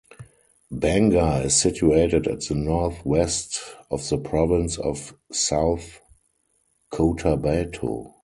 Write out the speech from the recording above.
Banga is situated at the north-west of the province of South Cotabato.